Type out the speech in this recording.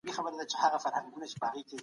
د لور او زوی واده کوي.